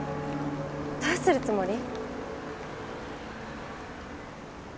どうするつもり？